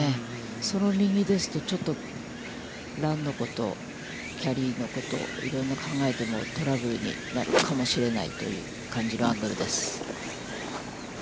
その右ですと、ちょっとランのこと、キャリーのこと、いろいろ考えても、トラブルになるかもしれないという感じのアングルです。